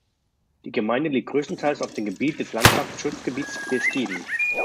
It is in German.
Die Gemeinde liegt größtenteils auf dem Gebiet des Landschaftsschutzgebietes Beskiden.